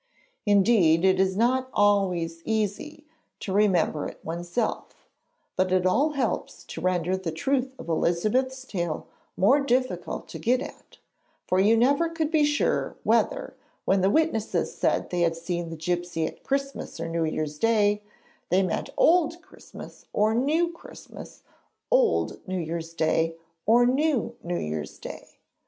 Indeed, it is not easy always to remember it oneself, but it all helps to render the truth of Elizabeth's tale more difficult to get at, for you never could be sure whether, when the witnesses said they had seen the gipsy at Christmas or New Year's Day, they meant Old Christmas or New Christmas, old New Year's Day or new New Year's Day.